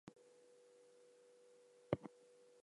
The college's athletic nickname is the Monarchs.